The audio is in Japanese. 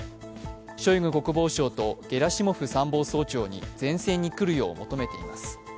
ショイグ国防相とゲラシモフ参謀総長に前線に来るよう求めています。